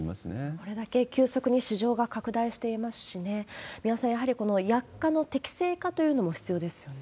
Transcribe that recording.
これだけ急速に市場が拡大していますしね、三輪さん、やっぱり薬価の適正化というのも必要ですよね。